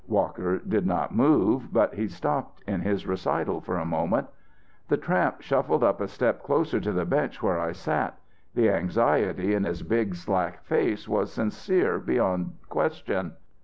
Walker did not move, but he stopped in his recital for a moment. "The tramp shuffled up a step closer to the bench where I sat The anxiety in his big slack face was sincere beyond question.